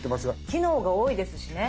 機能が多いですしね。